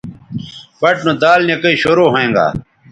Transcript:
بَٹ نو دال نِکئ شروع ھوینگا